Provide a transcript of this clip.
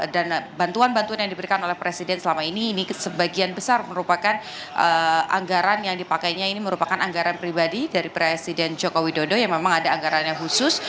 dan bantuan bantuan yang diberikan oleh presiden selama ini ini sebagian besar merupakan anggaran yang dipakainya ini merupakan anggaran pribadi dari presiden jokowi dodo yang memang ada anggarannya khusus